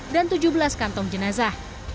dan tujuh belas kantong jenazah